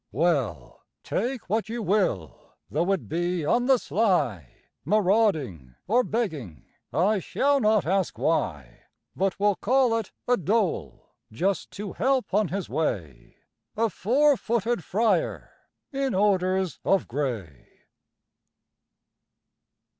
Well, take what you will, though it be on the sly, Marauding or begging, I shall not ask why, But will call it a dole, just to help on his way A four footed friar in orders of gray!